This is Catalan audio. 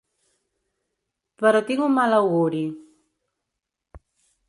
Però tinc un mal auguri.